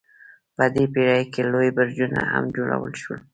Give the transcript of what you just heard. په دې پیړۍ کې لوی برجونه هم جوړ شول.